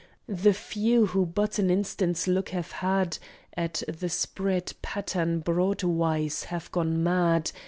The few who but an instant's look have had At the spread pattern broadwise have gone mad.